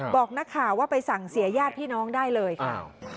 บอกนักข่าวว่าไปสั่งเสียญาติพี่น้องได้เลยค่ะ